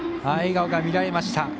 笑顔が見られました。